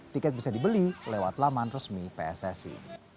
tiket bisa dibeli lewat laman resmi pssi